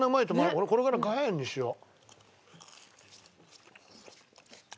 俺これから岩塩にしよう。